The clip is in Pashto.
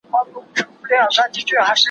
اوس مي تا ته دي راوړي سوغاتونه